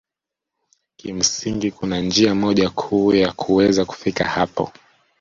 Kimsingi kuna njia moja kuu ya kuweza kufika hapo